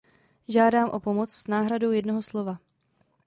Žádám o pomoc s náhradou jednoho slova.